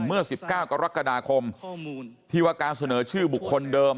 เมื่อ๑๙กรกฎาคมที่ว่าการเสนอชื่อบุคคลเดิม